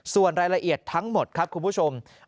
ส่วนรายละเอียดทั้งหมดครับคุณผู้ชม